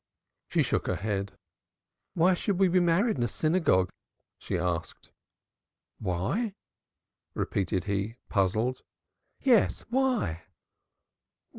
She shook her head. "Why should we be married in a synagogue?" she asked. "Why?" repeated he, puzzled. "Yes, why?"